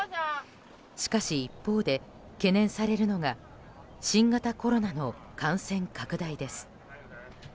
しかし一方で、懸念されるのが新型コロナの感染拡大です。